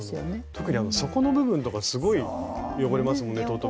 特に底の部分とかすごい汚れますもんね。